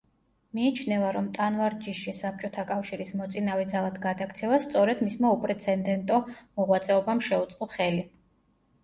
მიიჩნევა, რომ ტანვარჯიშში საბჭოთა კავშირის მოწინავე ძალად გადაქცევას სწორედ მისმა უპრეცედენტო მოღვაწეობამ შეუწყო ხელი.